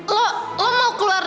lo lo mau keluar